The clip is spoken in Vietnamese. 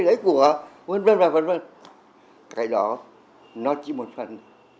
đấy của vân vân và vân vân cái đó nó chỉ một phần